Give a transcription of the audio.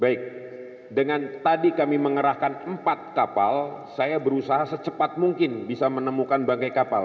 baik dengan tadi kami mengerahkan empat kapal saya berusaha secepat mungkin bisa menemukan bangkai kapal